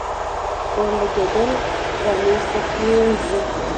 اور لګېدل را منځ ته کیږي.